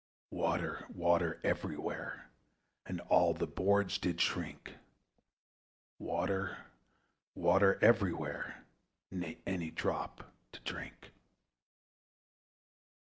Water, water, every where, And all the boards did shrink; Water, water, every where, Nor any drop to drink.